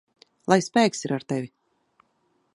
Lai spēks ir ar tevi!